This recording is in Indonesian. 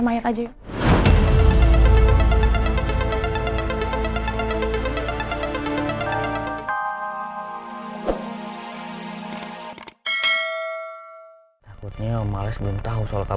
kamu bukan aku yang bikin masalah